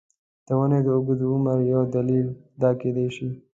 د ونې د اوږد عمر یو دلیل دا کېدای شي.